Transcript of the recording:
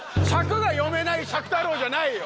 尺が読めない尺太郎じゃないよ！